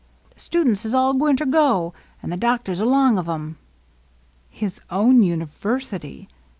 The students is all gwineter go, an' the doctors along of 'em." His own university